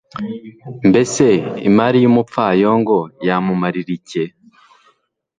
Mbese imari y’umupfayongo yamumarira ike